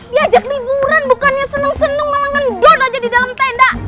diajak liburan bukannya seneng seneng melengendut aja di dalam tenda